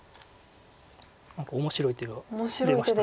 面白い手が出ました。